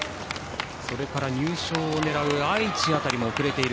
それから入賞を狙う愛知辺りも遅れている。